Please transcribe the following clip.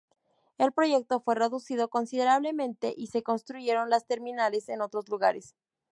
El proyecto fue reducido considerablemente, y se construyeron las terminales en otros lugares.